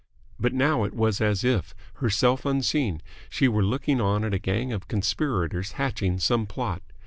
But now it was as if, herself unseen, she were looking on at a gang of conspirators hatching some plot.